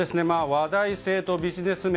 話題性とビジネス面